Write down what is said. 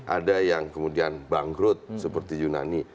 ada yang kemudian bangkrut seperti yunani